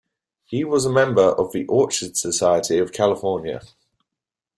He was a member of the Orchid Society of California.